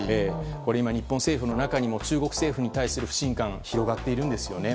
これ、今日本政府の中にも中国政府に対する不信感が広がっているんですよね。